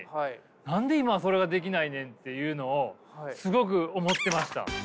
何で今それができないねんっていうのをすごく思ってました。